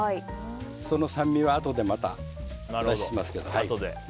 その酸味はあとでまたお出ししますけど。